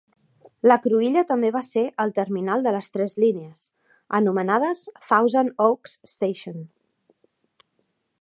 La cruïlla també va ser el terminal de les tres línies, anomenades "Thousand Oaks Station".